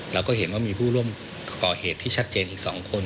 เราก็เห็นว่ามีผู้ร่วมก่อเหตุที่ชัดเจนอีก๒คน